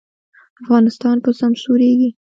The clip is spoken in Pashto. افغانستان به سمسوریږي؟